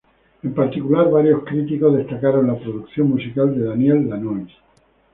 En particular, varios críticos destacaron la producción musical de Daniel Lanois.